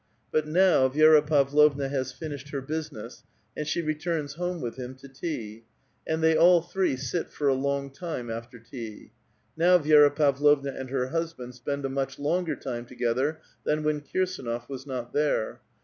But now Vi^ra Pavlovna has finished her business, and she returns home with him to tea, and they all three sit for a long time after tea ; now Vi^ra Pavlovna and her husband spend a much longer time together than when Kirsdnof was not there.